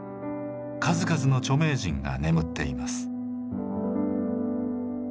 数々の著名人が眠っています。